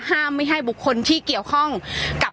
ห้ามไม่ให้บุคคลที่เกี่ยวข้องกับ